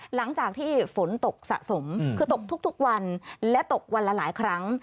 หลังจากที่ฝนตกสะสมคือตกทุกวันและตกวันละหลายครั้ง